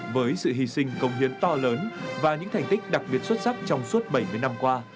với sự hy sinh công hiến to lớn và những thành tích đặc biệt xuất sắc trong suốt bảy mươi năm qua